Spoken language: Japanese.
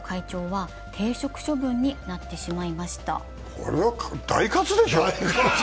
これは大喝でしょう。